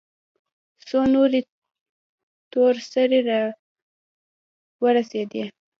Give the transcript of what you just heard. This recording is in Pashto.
څو نورې تور سرې راورسېدې.